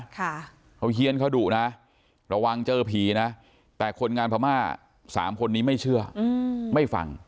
เขาเฮียนเขาดุนะระวังเจอผีนะแต่คนงานพม่าสามคนนี้ไม่เชื่อไม่ฟัง